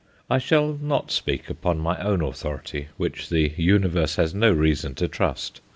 I shall not speak upon my own authority, which the universe has no reason to trust.